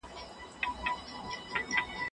ده اخلاقي چوکاټ جوړ کړ.